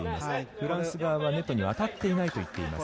フランス側はネットには当たっていないと言っています。